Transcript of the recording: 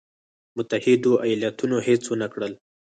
متحدو ایالتونو هېڅ ونه کړل.